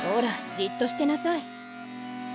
じっとしてなさい。